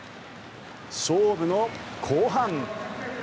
勝負の後半。